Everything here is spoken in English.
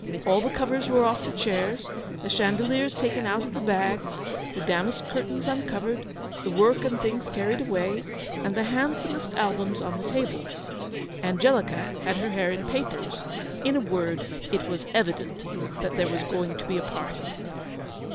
All the covers were off the chairs, the chandeliers taken out of the bags, the damask curtains uncovered, the work and things carried away, and the handsomest albums on the tables. Angelica had her hair in papers. In a word it was evident there was going to be a party.